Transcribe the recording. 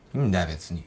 別に。